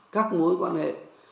các mối quan hệ